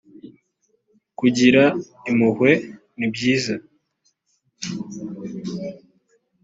kugira impuhwe nibyiza.